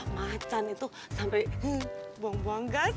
macan itu sampai buang buang guy